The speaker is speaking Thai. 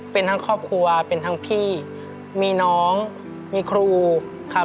เป็นทั้งครอบครัวเป็นทั้งพี่มีน้องมีครูครับ